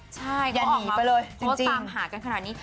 ใช่ก็ออกมาเพราะตามหากันขนาดนี้